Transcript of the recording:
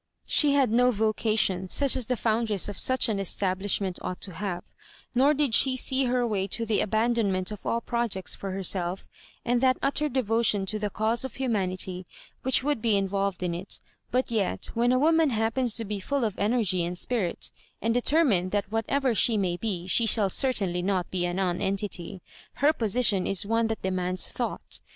She had no vocation, such as the foundress of such an establishment ought to have, nor did she see her way to the abandonment of all projects for herself and that utter devoJon to the cause of humanity which would be involved in it ; but yet, wlfen a; woman happens to be full of energy and spurit, and determined that whatever sbo may be she shall certainly not be a nonentity, her position is one thai demands thought.